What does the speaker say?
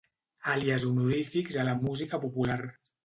Àlies honorífics a la música popular.